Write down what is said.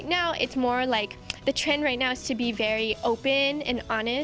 tanda tanda sekarang adalah untuk sangat terbuka dan jujur